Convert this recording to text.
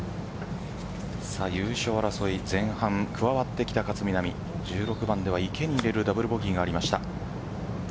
優勝争い前半加わってきた勝みなみ１６番では池に入れるダブルボギーがありました。